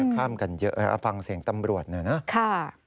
ข้ามกันเยอะเอาฟังเสียงตำรวจหน่อยนะ